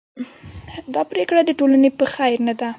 دا پرېکړه د ټولنې په خیر نه ده.